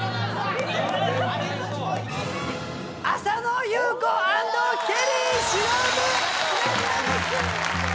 浅野ゆう子＆ケリー忍。